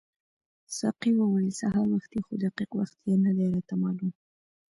ساقي وویل سهار وختي خو دقیق وخت یې نه دی راته معلوم.